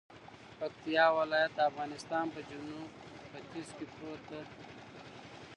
پکتيا ولايت د افغانستان په جنوت ختیځ کی پروت ده